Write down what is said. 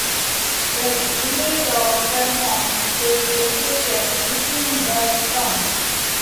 The village of Fremont is located within the town.